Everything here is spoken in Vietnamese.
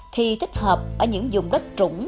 thì thích hợp ở những dùng đất trũng